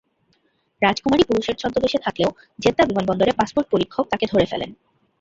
রাজকুমারী পুরুষের ছদ্মবেশে থাকলেও জেদ্দা বিমানবন্দরে পাসপোর্ট পরীক্ষক তাকে ধরে ফেলেন।